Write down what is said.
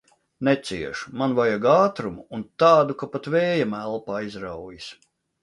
Neciešu! Man vajag ātrumu un tādu, ka pat vējam elpa aizraujas.